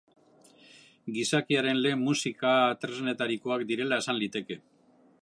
Gizakiaren lehen musika-tresnetarikoak direla esan liteke.